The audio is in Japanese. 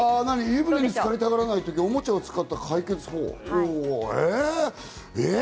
湯船につかりたがらない時、おもちゃを使った解決法？